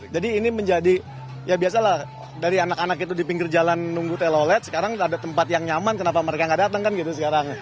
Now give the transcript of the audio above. jadi ini menjadi ya biasalah dari anak anak itu di pinggir jalan nunggu telolet sekarang ada tempat yang nyaman kenapa mereka gak datang kan gitu sekarang